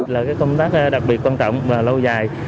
là công tác đặc biệt quan trọng và lâu dài